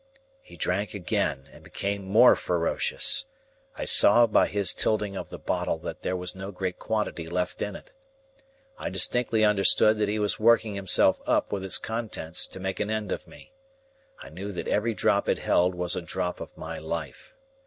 He drank again, and became more ferocious. I saw by his tilting of the bottle that there was no great quantity left in it. I distinctly understood that he was working himself up with its contents to make an end of me. I knew that every drop it held was a drop of my life.